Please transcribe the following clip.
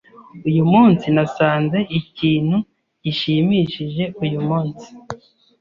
Uyu munsi nasanze ikintu gishimishije uyu munsi.